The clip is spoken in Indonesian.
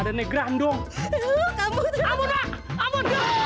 ada negeran dong kamu beramun abu abu